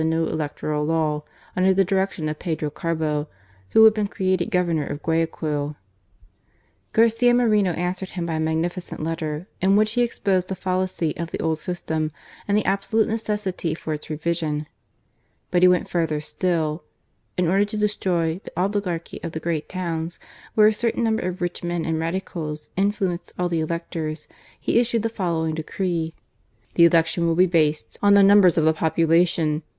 105 new electoral law under the direction of Pedro Carbo, who had been created Governor of Guayaquil. Garcia Moreno answered him by a magnificent letter, in which he exposed the fallacy of the old system and the absolute necessity for its revision. But he went further still. In order to destroy the oligarchy of the great towns where a certain number of rich men and Radicals influenced all the electors, he issued the following decree :" The election will be based on the numbers of the population.